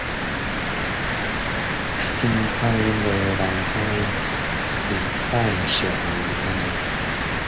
心歹無人知，喙歹上厲害